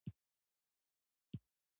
پټ لیک واستاوه.